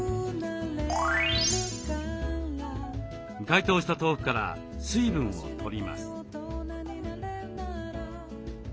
解凍した豆腐から水分を取ります。